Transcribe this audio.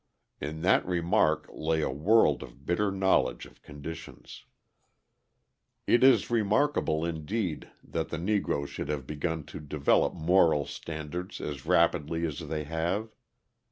In that remark lay a world of bitter knowledge of conditions. It is remarkable, indeed, that the Negroes should have begun to develop moral standards as rapidly as they have.